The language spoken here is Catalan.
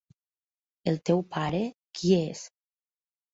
El teu pare, qui és?